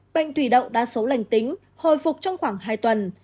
bệnh thủy động đa số lành tính hồi phục trong khoảng hai tuần